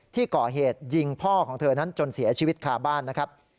ที่ก่อเหตุยิงพ่อของเธอนั้นจนเสียชีวิตคาบ้านนะครับ